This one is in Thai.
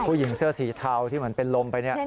ผู้หญิงเสื้อสีเทาที่เหมือนเป็นลมไปเนี่ย